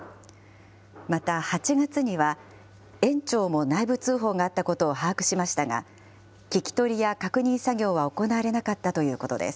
また８月には、園長も内部通報があったことを把握しましたが、聴き取りや確認作業は行われなかったということです。